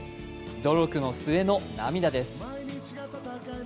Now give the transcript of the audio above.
努力の末の涙です。